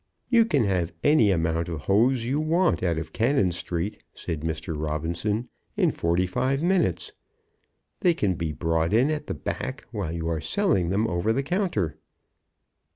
"You can have any amount of hose you want, out of Cannon Street," said Mr. Robinson, "in forty five minutes. They can be brought in at the back while you are selling them over the counter."